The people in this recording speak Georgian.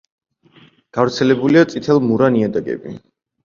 გავრცელებულია წითელ-მურა ნიადაგები.